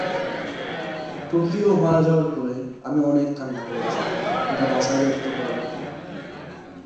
মুজিবনগর সরকার মুক্তিবাহিনীর সকল মুক্তিযোদ্ধাদের সংগঠিত করে তাদেরকে যথাযথ প্রশিক্ষণ দেওয়ার ব্যবস্থা করে।